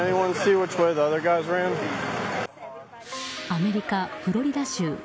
アメリカ・フロリダ州。